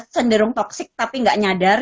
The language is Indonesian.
sendirung toxic tapi gak nyadar